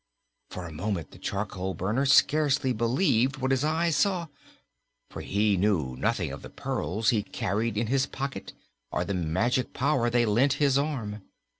For a moment the charcoal burner scarcely believed what his eyes saw, for he knew nothing of the pearls he carried in his pocket or the magic power they lent his arm.